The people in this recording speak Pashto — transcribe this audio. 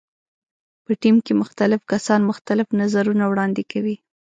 په ټیم کې مختلف کسان مختلف نظرونه وړاندې کوي.